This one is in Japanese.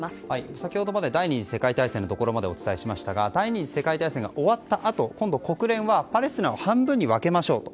先ほどまで第２次世界大戦までお伝えしましたが第２次世界大戦が終わったあと今度、国連はパレスチナを半分に分けましょうと。